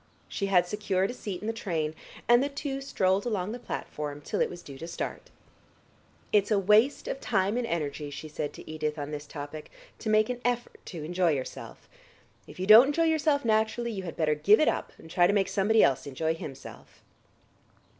She had secured a seat in the train, and the two strolled along the platform till it was due to start. "It's a waste of time and energy," she said to Edith on this topic, "to make an effort to enjoy yourself. If you don't enjoy yourself naturally, you had better give it up, and try to make somebody else enjoy himself."